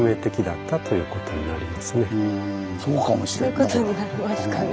そういうことになりますかね。